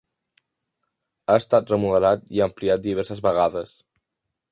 Ha estat remodelat i ampliat diverses vegades.